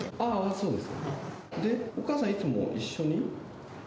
そうです。